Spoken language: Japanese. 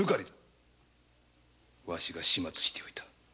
ワシが始末しておいた。